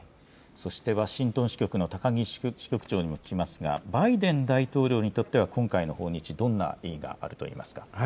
そしてワシントン支局の高木支局長にも聞きますが、バイデン大統領にとっては、今回の訪日、どんな意義があるといえますか。